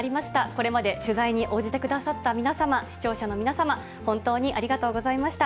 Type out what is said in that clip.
これまで取材に応じてくださった皆様、視聴者の皆様、本当にありがとうございました。